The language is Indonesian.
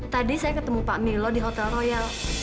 tadi saya ketemu pak milo di hotel royal